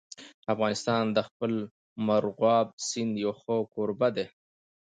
افغانستان د خپل مورغاب سیند یو ښه کوربه دی.